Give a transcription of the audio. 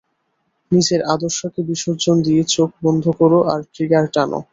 নিজের আদর্শকে বিসর্জন দিয়ে, চোখ বন্ধ করো আর ট্রিগার টানো!